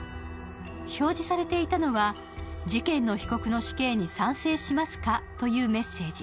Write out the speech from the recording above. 表示されていたのは「事件の被告の死刑に賛成しますか？」というメッセージ。